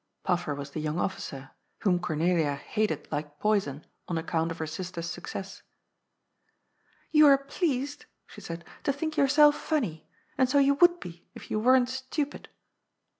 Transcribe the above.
Paffer was the young officer, whom Cornelia hated like poison, on account of her sister's success. A "STRUGGLE POR LIPEB." 163 *^ Yon are pleased," she said, ^^ to think yourself fanny. And so you would be, if you weren't stupid."